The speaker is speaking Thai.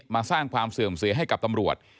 มาสร้างความเสื่อมเสียให้กับตำรวจ